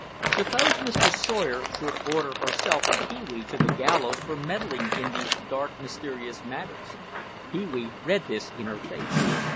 Suppose Mr. Sawyer should order herself and Pee wee to the gallows for meddling in these dark, mysterious matters. Pee wee read this in her face.